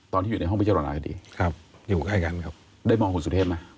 ตอนที่อยู่ในห้องพิจารณาคดีครับอยู่ใกล้กันครับได้มองคุณสุเทพไหม